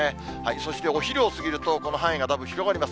そしてお昼を過ぎると、この範囲がだいぶ広がります。